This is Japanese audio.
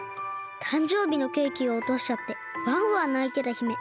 たんじょうびのケーキをおとしちゃってわんわんないてた姫。